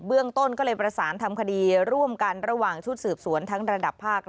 เรื่องต้นก็เลยประสานทำคดีร่วมกันระหว่างชุดสืบสวนทั้งระดับภาค